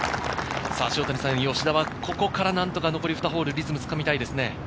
吉田はここから何とか残り２ホール、リズムをつかみたいですね。